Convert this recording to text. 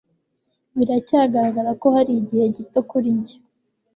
Biracyagaragara ko ari igihe gito kuri njye